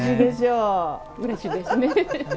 うれしいですね。